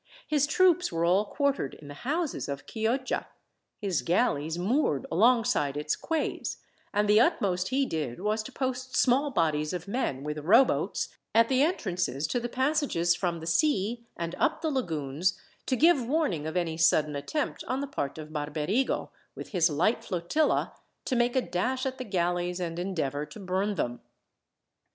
His troops were all quartered in the houses of Chioggia, his galleys moored alongside its quays, and the utmost he did was to post small bodies of men, with rowboats, at the entrances to the passages from the sea, and up the lagoons, to give warning of any sudden attempt on the part of Barberigo, with his light flotilla, to make a dash at the galleys, and endeavour to burn them.